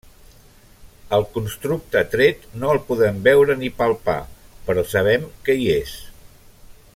El constructe tret no el podem veure ni palpar, però sabem que hi és.